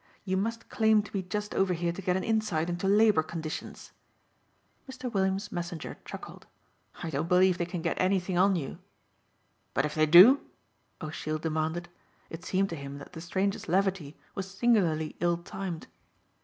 You must claim to be just over here to get an insight into labor conditions." Mr. Williams' messenger chuckled. "I don't believe they can get anything on you." "But if they do?" O'Sheill demanded. It seemed to him that the stranger's levity was singularly ill timed.